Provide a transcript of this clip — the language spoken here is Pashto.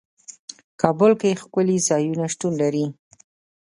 کابل کې ښکلي ځايونه شتون لري.